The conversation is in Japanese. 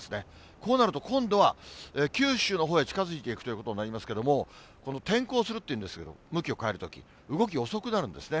こうなると、今度は九州のほうへ近づいていくということになりますけれども、このてんこうするというんですよ、向きを変えるとき、動きが遅くなるんですね。